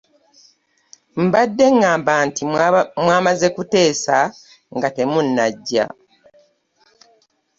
Mbadde ŋŋamba nti mwamaze kuteesa nga temunnajja!